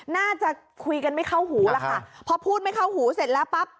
น่าจะคุยกันไม่เข้าหูล่ะค่ะพอพูดไม่เข้าหูเสร็จแล้วปั๊บ